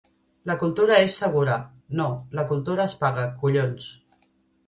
La cultura és segura, no, la cultura es paga, collons.